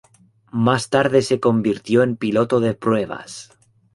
Más tarde se convirtió en piloto de pruebas.